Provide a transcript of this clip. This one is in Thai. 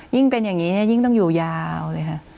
ยิ่งเป็นอย่างนี้ยิ่งต้องอยู่ยาวเลยค่ะ